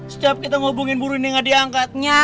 sejap kita ngobongin bu rini gak diangkatnya